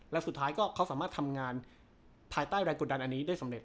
และสุดท้ายก็เขาสามารถทำงานภายใต้แรงกดดันอันนี้ได้สำเร็